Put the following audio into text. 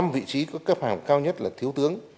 năm vị trí có cấp hàng cao nhất là thiếu tướng